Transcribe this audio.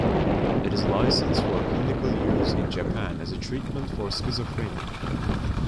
It is licensed for clinical use in Japan as a treatment for schizophrenia.